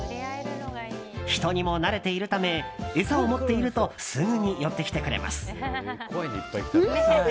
人にもなれているため餌を持っているとすぐに寄ってきてくれます。